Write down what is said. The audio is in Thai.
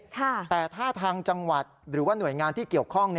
แต่ถ้าทางจังหวัดหรือว่าหน่วยงานที่เกี่ยวข้อง